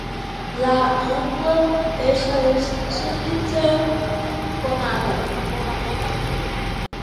La angla estas sufiĉe konata.